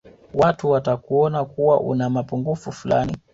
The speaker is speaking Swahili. watu watakuona kuwa una mapungufu fulani